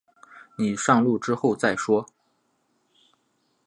你上路之后再说